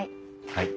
はい。